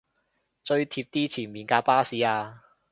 追貼啲前面架巴士吖